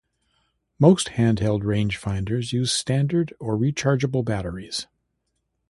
Most handheld rangefinders use standard or rechargeable batteries.